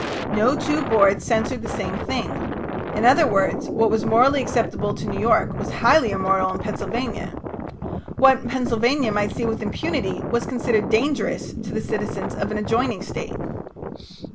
No two boards censored the same thing. In other words, what was morally acceptable to New York was highly immoral in Pennsylvania. What Pennsylvania might see with impunity was considered dangerous to the citizens of an adjoining State.